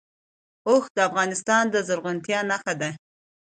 اوښ د افغانستان د زرغونتیا نښه ده.